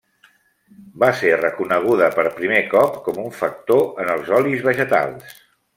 Va ser reconeguda per primer cop com un factor en els olis vegetals.